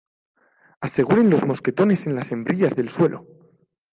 aseguren los mosquetones en las hembrillas del suelo